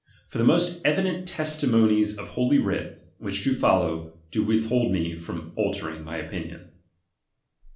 For the most evident testi ^M monies of Holy Writ, which do follow, do withhold me from ^H altering my opinion.